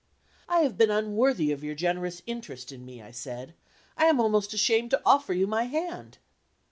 "I have been unworthy of your generous interest in me," I said; "I am almost ashamed to offer you my hand."